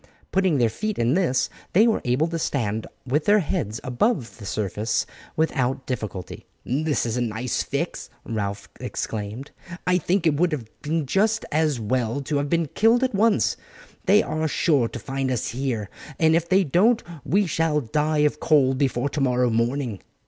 Putting their feet in this, they were able to stand with their heads above the surface without difficulty. "This is a nice fix," Ralph exclaimed. "I think it would have been just as well to have been killed at once. They are sure to find us here, and if they don't we shall die of cold before tomorrow morning."